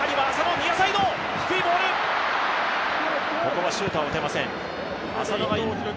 ここはシュートは打てません。